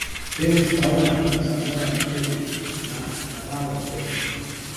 Keneth Kaunda na Samora Michael na Thabo mbeki